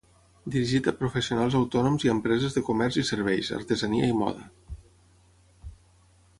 Dirigit a professionals autònoms i empreses de comerç i serveis, artesania i moda.